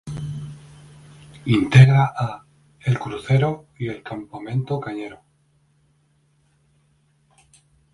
Integra a: El crucero, y El campamento cañero.